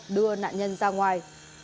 đưa nạn nhân ra ngoài